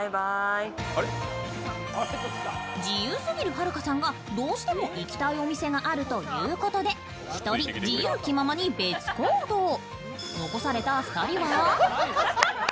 自由すぎるはるかさんがどうしても行きたいお店があるということで１人、自由気ままに別行動。